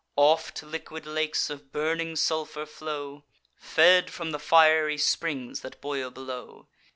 Oft liquid lakes of burning sulphur flow, Fed from the fiery springs that boil below.